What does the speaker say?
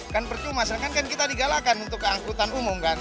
kan percuma sedangkan kan kita digalakan untuk keangkutan umum kan